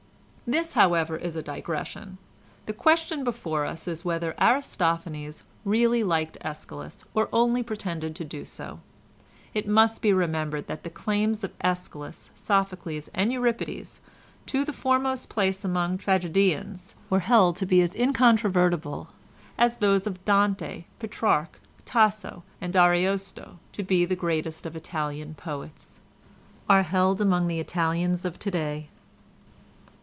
"This, however, is a digression; the question before us is whether Aristophanes really liked Æschylus or only pretended to do so. It must be remembered that the claims of Æschylus, Sophocles and Euripides, to the foremost place amongst tragedians were held to be as incontrovertible as those of Dante, Petrarch, Tasso and Ariosto to be the greatest of Italian poets, are held among the Italians of to day.